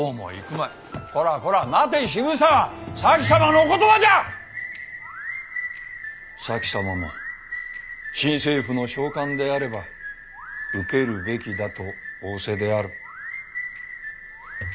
前様も新政府の召喚であれば受けるべきだと仰せである。